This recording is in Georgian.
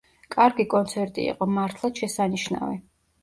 კარგი კონცერტი იყო, მართლაც შესანიშნავი.